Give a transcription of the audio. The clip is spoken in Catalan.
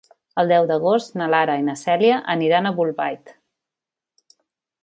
El deu d'agost na Lara i na Cèlia aniran a Bolbait.